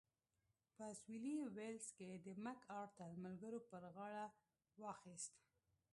په سوېلي ویلز کې د مک ارتر ملګرو پر غاړه واخیست.